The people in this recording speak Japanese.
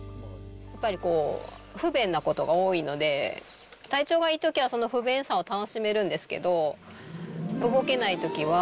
やっぱりこう、不便なことが多いので、体調がいいときはその不便さを楽しめるんですけど、動けないときは、